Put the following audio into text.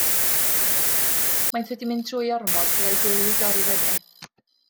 Maent wedi mynd trwy ormod gyda'i gilydd i dorri fyny.